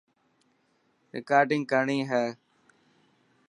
رڪارڊنگ ڪرڻي هي.